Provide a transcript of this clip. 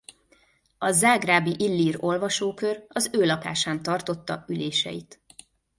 A zágrábi illír olvasókör az ő lakásán tartotta üléseit.